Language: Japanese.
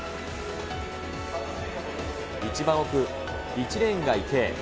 １番奥、１レーンが池江。